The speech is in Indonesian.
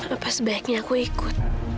apa sebaiknya aku ikut